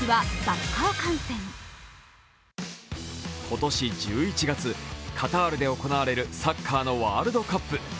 今年１１月、カタールで行われるサッカーのワールドカップ。